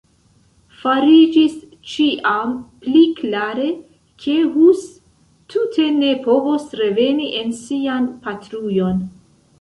Fariĝis ĉiam pli klare, ke Hus tute ne povos reveni en sian patrujon.